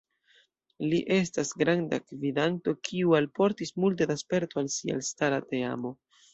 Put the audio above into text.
Li estas granda gvidanto kiu alportis multe da sperto al sia elstara teamo.